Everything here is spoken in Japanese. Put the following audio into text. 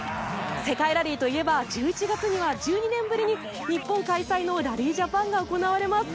世界ラリーといえば１１月には１２年ぶりに日本開催のラリージャパンが行われます。